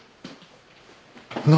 何？